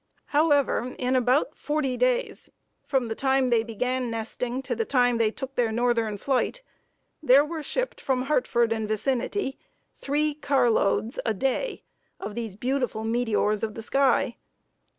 However, in about forty days from the time they began nesting to the time they took their northern flight, there were shipped from Hartford and vicinity, three carloads a day of these beautiful meteors of the sky.